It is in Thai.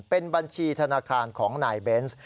เป็นบัญชีธนาคารของนายเบนส์